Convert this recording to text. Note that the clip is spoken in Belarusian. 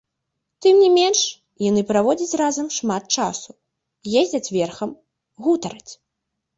Тым не менш, яны праводзяць разам шмат часу, ездзяць верхам, гутараць.